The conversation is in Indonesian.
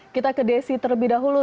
kita ke desi terlebih dahulu